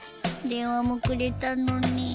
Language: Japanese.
電話もくれたのに。